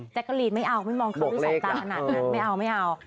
แจ๊กรีนไม่เอาไม่มองเขาด้วยสองตาขนาดนั้นไม่เอา